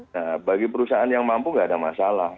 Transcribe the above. nah bagi perusahaan yang mampu nggak ada masalah